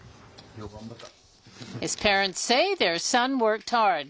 よう頑張った。